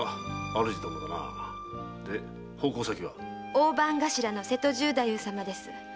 大番頭の瀬戸十太夫様です。